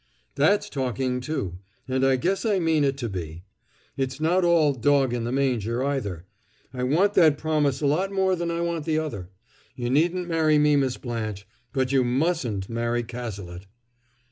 "That's talking, too, and I guess I mean it to be. It's not all dog in the manger, either. I want that promise a lot more than I want the other. You needn't marry me, Miss Blanche, but you mustn't marry Cazalet."